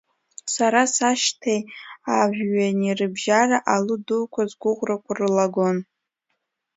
Сара сашҭеи ажәҩани рыбжьара, алу дуқәа сгәыӷрақәа рлагон.